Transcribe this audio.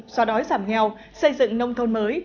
do đói giảm nghèo xây dựng nông thôn mới